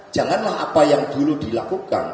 janganlah apa yang dulu dilakukan